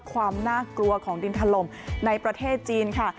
ความน่ากลัวของดินถล่มในประเทศจีนค่ะ